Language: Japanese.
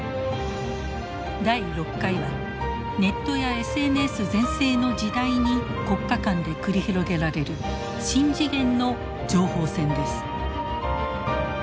第６回はネットやＳＮＳ全盛の時代に国家間で繰り広げられる新次元の情報戦です。